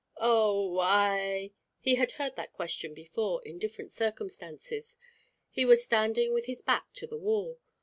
"Oh I " He had heard that question before, in different circumstances. He was standing with his back to the wall.